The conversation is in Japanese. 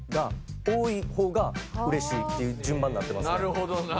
なるほどな。